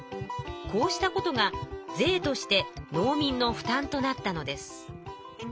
こうしたことが税として農民の負担となったのです。